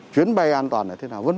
chuyến bay an toàn là thế nào